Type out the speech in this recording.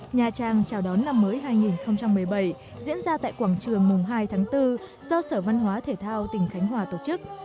nha trang chào đón năm mới hai nghìn một mươi bảy diễn ra tại quảng trường mùng hai tháng bốn do sở văn hóa thể thao tỉnh khánh hòa tổ chức